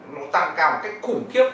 nó tăng cao một cách khủng khiếp